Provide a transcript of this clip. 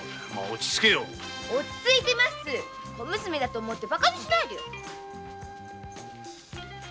落ち着いてます小娘だと思ってバカにしないでよ。